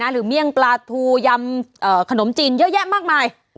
เมี่ยงปลาทูยำขนมจีนเยอะแยะมากมาย